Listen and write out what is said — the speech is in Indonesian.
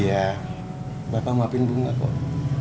iya bapak mapin bunga kok